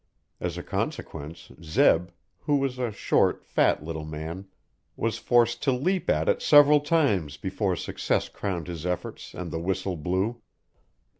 As a consequence Zeb, who was a short, fat little man, was forced to leap at it several times before success crowned his efforts and the whistle blew.